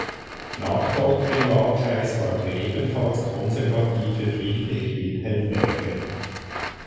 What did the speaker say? Nachfolger im Wahlkreis war der ebenfalls konservative Friedrich Wilhelm Berger.